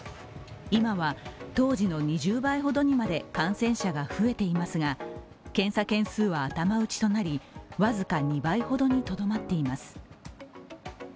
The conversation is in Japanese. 今は当時の２０倍ほどにまで感染者が増えていますが検査件数は頭打ちとなり、僅か２倍ほどにとどまっています。